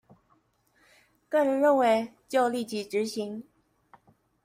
個人認為就立即執行